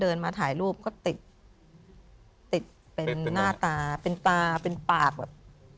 มาถ่ายรูปก็ติดติดเป็นหน้าตาเป็นตาเป็นปากแบบ